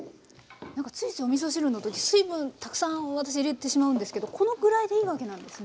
なんかついついおみそ汁の時水分たくさん私入れてしまうんですけどこのぐらいでいいわけなんですね。